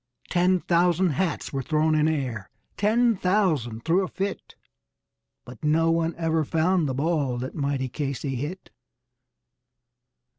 Ten thousand hats were thrown in air, ten thousand threw a fit; But no one ever found the ball that mighty Casey hit!